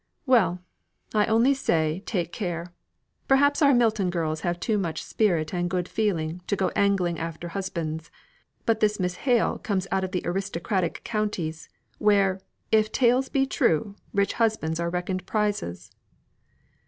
"Well! I only say, take care. Perhaps our Milton girls have too much spirit and good feeling to go angling after husbands; but this Miss Hale comes out of the aristocratic counties, where, if all tales be true, rich husbands are reckoned prizes."